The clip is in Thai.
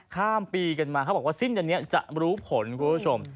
ข้ามปีกันมาเขาบอกว่าสิ้นเดือนนี้จะรู้ผลคุณผู้ชม